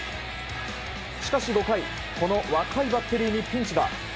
しかし５回若いバッテリーにピンチが。